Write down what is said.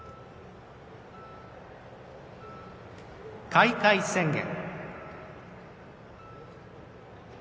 開会宣言。